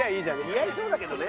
似合いそうだけどね。